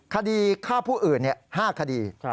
คดีฆ่าผู้อื่น๕คดี